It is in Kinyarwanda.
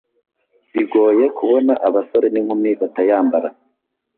bigoye kubona abasore n’inkumi batayambara